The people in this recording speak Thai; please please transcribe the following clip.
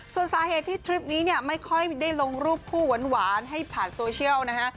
ส่วนสาเหตุที่ทริปนี้เนี่ยไม่ค่อยได้ลงรูปคู่หวานให้ผ่านโซเชียลนะฮะ